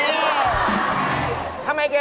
ถ้าเป็นปากถ้าเป็นปากดี